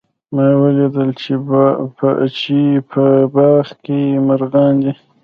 ما ولیدل چې په باغ کې مرغان دي